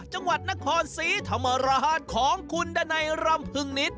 จังหวัดนครศรีธรรมราชของคุณดันัยรำพึงนิต